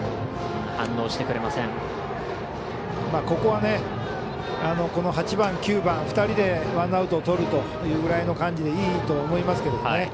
ここは、８番、９番２人でワンアウトをとるというぐらいの感じでいいと思いますけどね。